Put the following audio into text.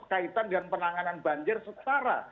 kaitan dengan penanganan banjir secara